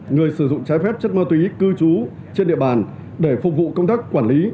người sử dụng trái phép chất ma túy cư trú trên địa bàn để phục vụ công tác quản lý